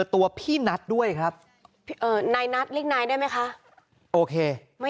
ตัวพี่นัทด้วยครับเอ่อนายนัทเรียกนายได้ไหมคะโอเคไม่